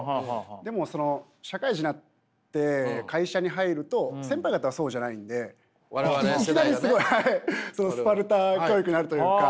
でもその社会人になって会社に入ると先輩方はそうじゃないんでいきなりすごいそのスパルタ教育になるというか。